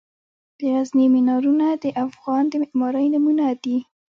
د غزني مینارونه د افغان د معمارۍ نمونه دي.